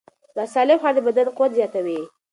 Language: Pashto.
سالم خواړه د بدن قوت زیاتوي.